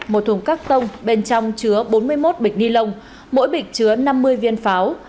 một thùng các tông bên trong chứa bốn mươi một bịch ni lông mỗi bịch chứa năm mươi viên pháo